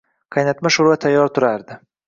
Qaynatma sho‘rva tayyor turardi.